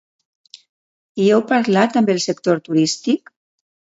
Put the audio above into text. Hi heu parlat, amb el sector turístic?